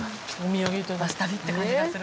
『バス旅』って感じがする。